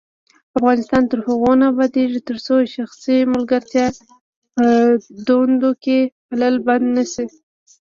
افغانستان تر هغو نه ابادیږي، ترڅو شخصي ملګرتیا په دندو کې پالل بند نشي.